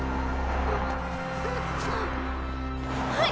はい？